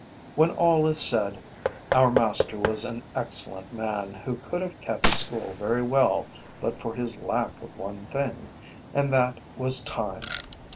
When all is said, our master was an excellent man who could have kept school very well but for his lack of one thing; and that was time.